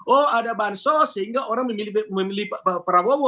oh ada bansos sehingga orang memilih pak prabowo